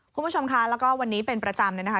คุณผู้ชมคะแล้วก็วันนี้เป็นประจำเลยนะคะ